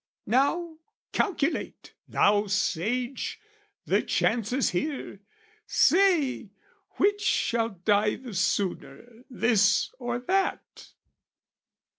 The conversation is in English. Now calculate, thou sage, the chances here, Say, which shall die the sooner, this or that?